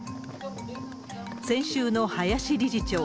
先週の林理事長。